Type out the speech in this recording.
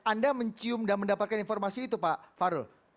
anda mencium dan mendapatkan informasi itu pak farul